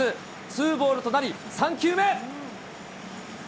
ツーボールとなり、３球目。